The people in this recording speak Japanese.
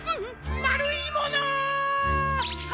まるいもの！